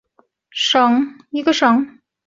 突尼斯原为奥斯曼帝国的一个省。